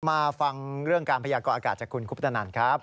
มาฟังเรื่องการพยากรอากาศจากคุณคุปตนันครับ